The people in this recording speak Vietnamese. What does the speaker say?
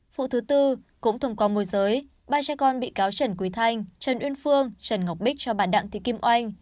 vụ thứ tư cũng thông qua môi giới ba cha con bị cáo trần quý thanh trần uyên phương trần ngọc bích cho bà đặng thị kim oanh